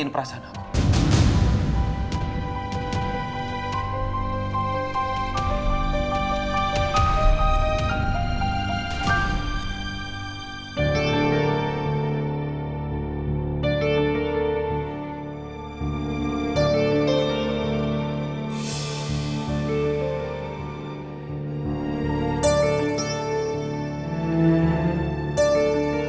aku mau ngerti